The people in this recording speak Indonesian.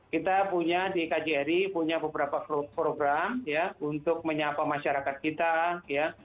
kita punya di kjri punya beberapa program ya untuk menyapa masyarakat kita ya